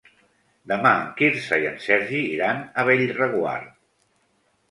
Demà en Quirze i en Sergi iran a Bellreguard.